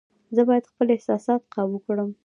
زه باید خپل احساسات قابو کړم.